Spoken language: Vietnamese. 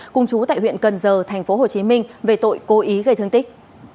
cùng chú tại huyện cần giờ thành phố hồ chí minh về tội cố ý gây thương tích